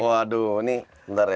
waduh ini bentar ya